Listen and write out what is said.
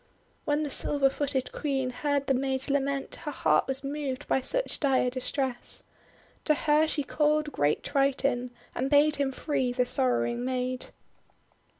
When the silver footed Queen heard the maid's lament, her heart was moved by such dire distress. To her she called great Triton, and bade him free the sorrowing maid.